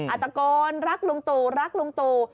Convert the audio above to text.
อาตะโกนรักลุงตู่รักลุงตู่